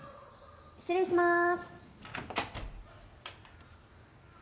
失礼しまーす。